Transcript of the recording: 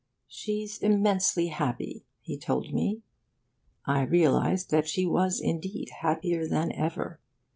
'She's immensely happy,' he told me. I realised that she was indeed happier than ever...